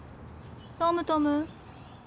トムトム！